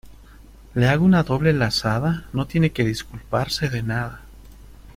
¿ le hago una doble lazada? no tiene que disculparse de nada.